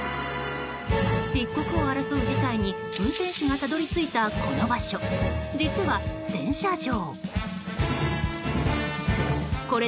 一刻を争う事態に運転手がたどり着いたこの場所は実は、洗車場。